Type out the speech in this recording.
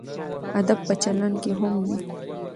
ادب په چلند کې هم وي.